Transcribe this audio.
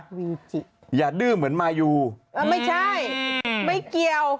มีจิตอย่าดื้อเหมือนมายูเออไม่ใช่ไม่เกี่ยว